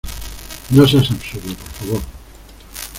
no seas absurdo, por favor.